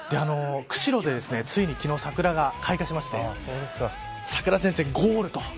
釧路でついに昨日、桜が開花しまして桜前線ゴールと。